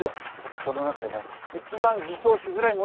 その中でも一番偽装しづらいものを選びました。